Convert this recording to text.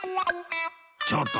ちょっと！